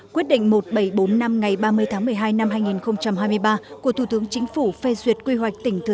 quyết định một nghìn bảy trăm bốn mươi năm ngày ba mươi tháng một mươi hai năm hai nghìn hai mươi ba của thủ tướng chính phủ phê duyệt quy hoạch tỉnh thừa